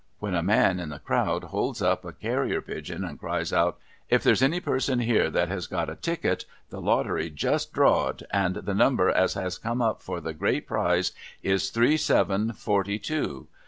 when a man in the crowd holds up a carrier pigeon, and cries out, ' If there's any person here as has got a ticket, the Lottery's just drawed, and the number as has come up for the great prize is three, seven, forty two